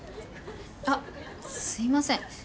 あっすいません。